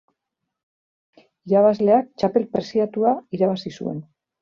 Irabazleak txapel preziatua irabazi zuen.